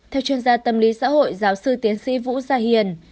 theo chuyên gia tâm lý xã hội giáo sư tiến sĩ vũ gia hiền